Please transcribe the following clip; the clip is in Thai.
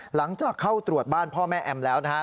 หลังจากเข้าตรวจบ้านพ่อแม่แอมแล้วนะฮะ